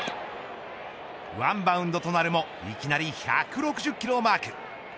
ワンバウンドとなるもいきなり１６０キロをマーク。